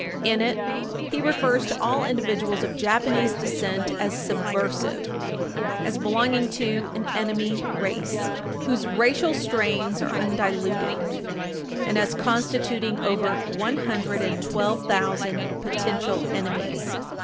[Footnote 3/1] In it, he refers to all individuals of Japanese descent as "subversive," as belonging to "an enemy race" whose "racial strains are undiluted," and as constituting "over 112,000 potential enemies